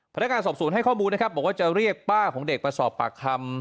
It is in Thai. พนักงานสอบสวนให้ข้อมูลนะครับบอกว่าจะเรียกป้าของเด็กมาสอบปากคำ